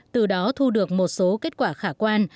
từ đó thu được một số kết quả khả quan